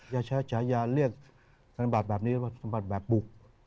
ยาใช้ชายาเรียกธนบาทแบบนี้ว่าธนบาทแบบบุก